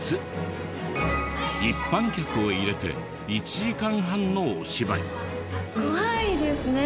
一般客を入れて１時間半のお芝居。